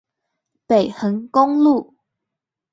北橫公路